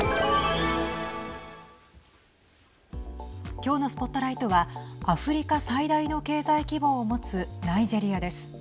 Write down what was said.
今日のＳＰＯＴＬＩＧＨＴはアフリカ最大の経済規模を持つナイジェリアです。